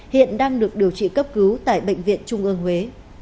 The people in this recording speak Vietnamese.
hiện đang được điều trị cấp cứu tại bệnh viện trung ương huế